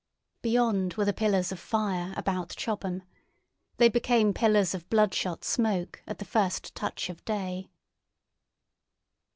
Beyond were the pillars of fire about Chobham. They became pillars of bloodshot smoke at the first touch of day.